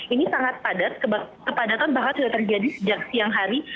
ini sangat padat kepadatan bahkan sudah terjadi sejak siang hari